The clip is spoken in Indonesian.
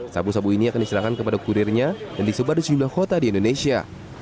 sabu sabu ini akan diserahkan kepada kurirnya dan disebar di sejumlah kota di indonesia